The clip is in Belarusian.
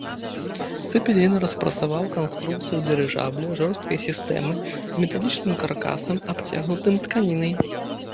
Цэпелін распрацаваў канструкцыю дырыжабля жорсткай сістэмы з металічным каркасам, абцягнутым тканінай.